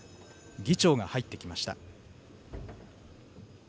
議長が入ってきました。